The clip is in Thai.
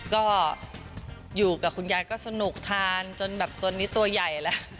ก็อยู่กับคุณยายก็สนุกทานจนแบบตัวนี้ตัวใหญ่แล้ว